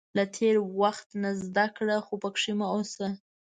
• له تېر وخت نه زده کړه، خو پکې مه اوسه.